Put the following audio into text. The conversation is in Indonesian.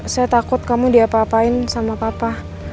saya takut kamu diapa apain sama papa